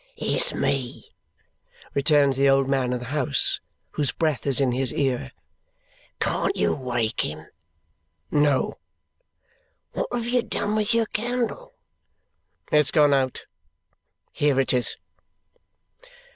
"It's me," returns the old man of the house, whose breath is in his ear. "Can't you wake him?" "No." "What have you done with your candle?" "It's gone out. Here it is."